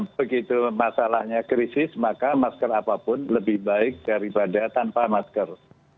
begitu masalahnya krisis maka masker apapun lebih baik daripada tanpa masker